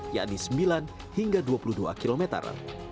yakni sembilan hingga dua puluh dua kilometer